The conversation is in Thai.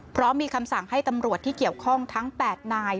เพราะมีคำสั่งให้ตำรวจที่เกี่ยวข้องทั้ง๘นาย